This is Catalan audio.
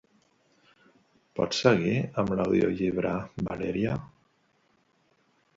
Pots seguir amb l'audiollibre "Valeria"?